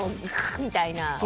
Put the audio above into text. みたいな。